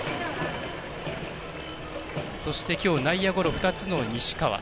そして、きょう内野ゴロ２つの西川。